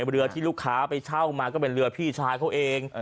เรือที่ลูกค้าไปเช่ามาก็เป็นเรือพี่ชายเขาเอง